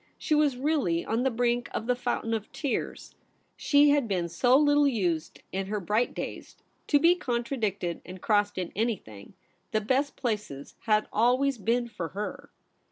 She was really on the brink of the fountain of tears. She had been so little used in her bright days to be contradicted and crossed in anything ; the best places had always been for her.